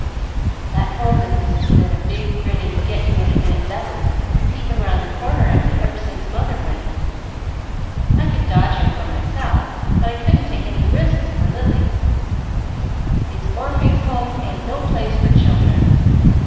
"That Home business has been a big, grinning, 'Get you any minute devil,' peeping 'round the corner at me ever since mother went. I could dodge him for myself, but I couldn't take any risks for Lily. These Orphings' Homes ain't no place for children.